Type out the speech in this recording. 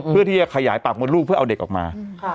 เพื่อที่จะขยายปากมดลูกเพื่อเอาเด็กออกมา